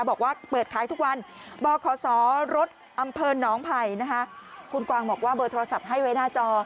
บอกว่าเปิดขายทุกวันบขรถอำเภอหนองไผ่นะคะคุณกวางบอกว่าเบอร์โทรศัพท์ให้ไว้หน้าจอ